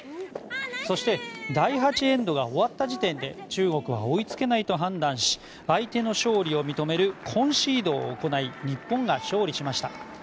そして第８エンドが終わった時点で中国は追いつけないと判断し相手の勝利を認めるコンシードを行い日本が勝利しました。